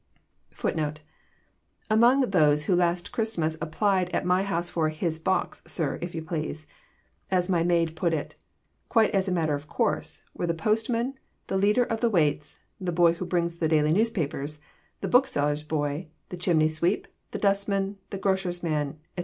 FOOTNOTE: Among those who last Christmas applied at my house for 'his box, sir, if you please' (as my maid put it), quite as a matter of course, were the postman, the leader of the waits, the boy who brings the daily newspapers, the bookseller's boy, the chimney sweep, the dustman, the grocer's man, etc.